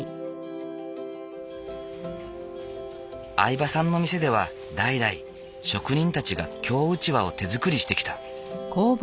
饗庭さんの店では代々職人たちが京うちわを手づくりしてきた。